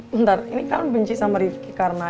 bentar ini kalian benci sama rifky karena